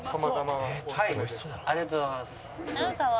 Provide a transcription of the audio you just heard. ありがとうございます。